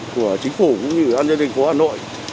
của chính phủ cũng như an doanh thành phố hà nội